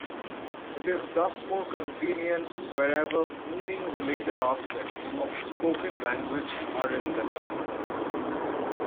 It is thus more convenient wherever meaning-related aspects of spoken language are investigated.